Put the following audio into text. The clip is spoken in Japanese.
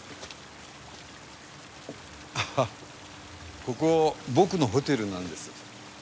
ここ僕のホテルなんです。